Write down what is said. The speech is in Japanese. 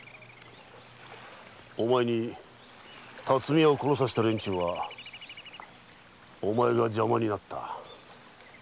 お前に巽屋を殺させた連中はお前が邪魔になった。